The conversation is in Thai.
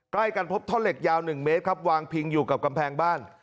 ใกล้กันพบท่อนเหล็กยาว๑เมตรครับวางพิงอยู่กับกำแพงบ้าน